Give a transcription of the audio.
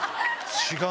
違う。